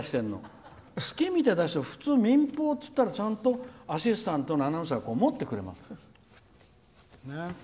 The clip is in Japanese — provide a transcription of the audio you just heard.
普通、民放っつったら、ちゃんとアシスタントのアナウンサーが持ってくれます。